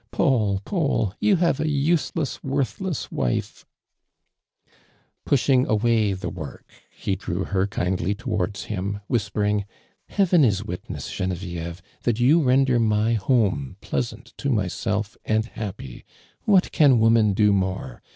Paul, I'aul, you have a useless, worthless wife !" Pushing away the work, he drew her kindly towards him, whispering: "Heaven is witness, Genevieve, that you render my home pleasant to myself and happy, — wliat can woman tlo more?